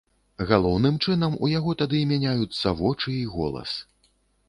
Галоўным чынам у яго тады мяняюцца вочы і голас.